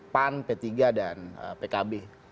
pan p tiga dan pkb